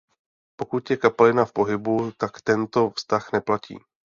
Pokud je kapalina v pohybu tak tento vztah neplatí.